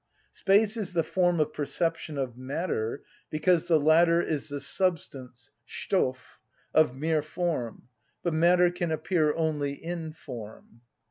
Space is the form of perception of matter because the latter is the substance (Stoff) of mere form, but matter can appear only in form.